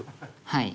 はい。